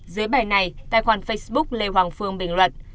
dưới bài này tài khoản facebook lê hoàng phương bình luận